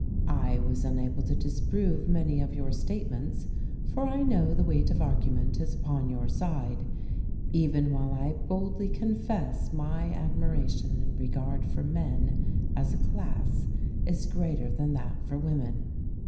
I was unable to disprove many of your statements, for I know the weight of argument is upon your side, even while I boldly confess my admiration and regard for men, as a class, is greater than that for women.